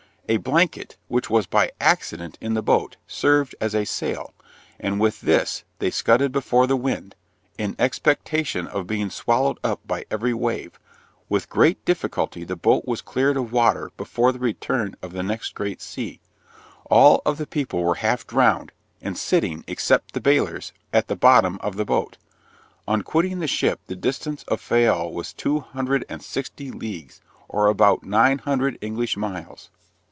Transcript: A blanket, which was by accident in the boat, served as a sail, and with this they scudded before the wind, in expectation of being swallowed up by every wave; with great difficulty the boat was cleared of water before the return of the next great sea; all of the people were half drowned, and sitting, except the balers, at the bottom of the boat. On quitting the ship the distance of Fayal was two hundred and sixty leagues, or about nine hundred English miles.